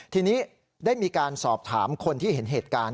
ทีนี้ได้มีการสอบถามคนที่เห็นเหตุการณ์